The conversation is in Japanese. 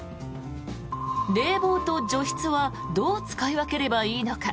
冷房と除湿はどう使い分ければいいのか。